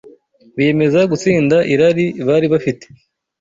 biyemeza gutsinda irari bari bafite